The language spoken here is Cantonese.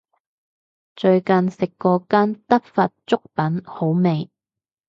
最近食過間德發粥品好味